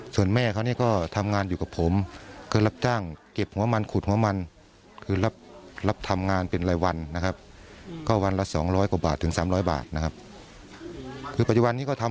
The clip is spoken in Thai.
ดูแลเอาออกมาช่วยเหลืออยู่เขาก็ง่ายหลับเจ้าถ้ารับแม่ค่ะ